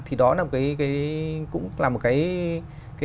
thì đó cũng là một cái